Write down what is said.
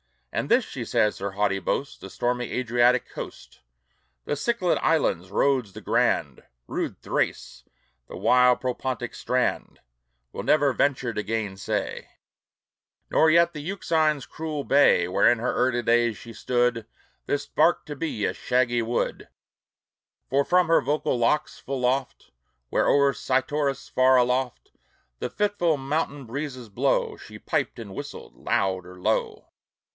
And this, she says, her haughty boast, The stormy Adriatic coast, The Cyclad islands, Rhodes the grand, Rude Thrace, the wild Propontic strand, Will never venture to gainsay; Nor yet the Euxine's cruel bay, Where in her early days she stood, This bark to be, a shaggy wood; For from her vocal locks full oft, Where o'er Cytorus far aloft The fitful mountain breezes blow, She piped and whistled loud or low.